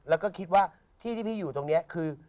แล้วก็คิดว่าที่ที่พี่อยู่ตรงนี้คือ